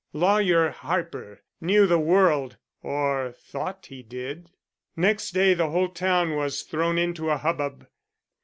Lawyer Harper knew the world or thought he did. Next day the whole town was thrown into a hubbub.